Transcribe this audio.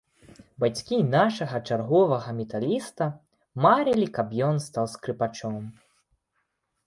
Бацькі нашага чарговага металіста марылі, каб ён стаў скрыпачом.